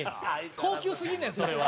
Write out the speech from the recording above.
高級すぎんねんそれは。